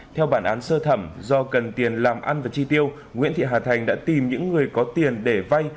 theo bản án sơ thẩm do cần tiền làm ăn và chi tiêu nguyễn thị hà thành đã tìm những người có tiền để vay